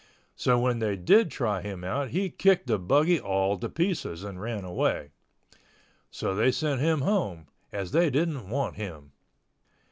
So when they did try him out he kicked the buggy all to pieces and ran away. So they sent him home, as they didn't want him.